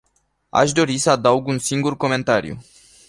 Aș dori să adaug un singur comentariu.